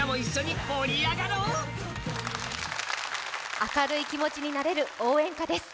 明るい気持ちになれる応援歌です。